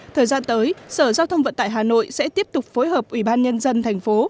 thời gian tới sở giao thông vận tải hà nội sẽ tiếp tục phối hợp ubnd thành phố